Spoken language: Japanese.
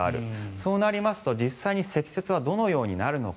そうなりますと実際に積雪はどのようになるのか。